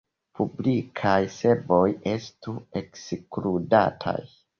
Publikaj servoj estu ekskludataj.